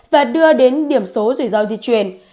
và đưa đến điểm số rủi ro di chuyển